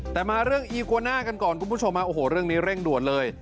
แต่มาเรื่องอีกวาน่ากันก่อนคุณผู้ชมโอ้โหเรื่องนี้เร่งด่วนเลย